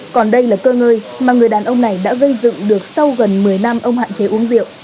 còn đây là cơ ngơi mà người đàn ông này đã gây dựng được sau gần một mươi năm ông hạn chế uống rượu